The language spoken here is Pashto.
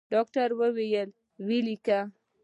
ډاکتر وويل ويې ليکه.